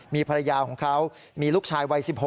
มีภรรยาของเขามีลูกชายวัย๑๖